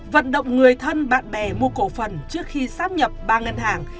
vận động người thân bạn bè mua cổ phần trước khi xác nhập